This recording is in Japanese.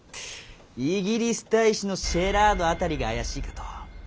イギリス大使のシェラード辺りが怪しいかと。